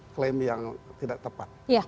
klaim yang tidak tepat